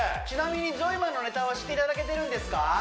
ちなみにジョイマンのネタは知っていただけてるんですか？